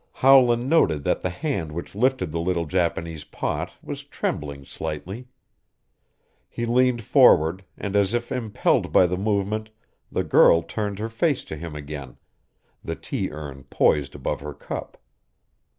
Howland noted that the hand which lifted the little Japanese pot was trembling slightly. He leaned forward, and as if impelled by the movement, the girl turned her face to him again, the tea urn poised above her cup.